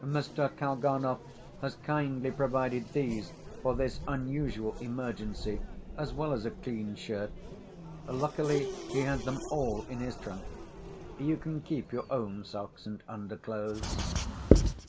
"Mr. Kalganov has kindly provided these for this unusual emergency, as well as a clean shirt. Luckily he had them all in his trunk. You can keep your own socks and underclothes."